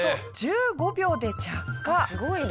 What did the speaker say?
すごいね。